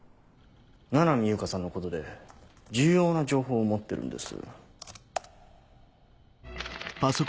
七海悠香さんのことで重要な情報を持ってるんです。